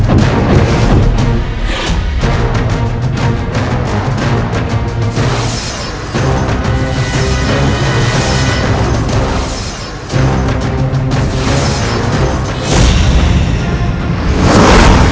paman sanjang lodaya